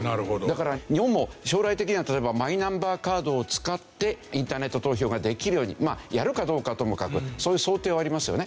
だから日本も将来的には例えばマイナンバーカードを使ってインターネット投票ができるようにやるかどうかはともかくそういう想定はありますよね。